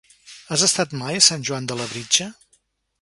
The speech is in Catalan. Has estat mai a Sant Joan de Labritja?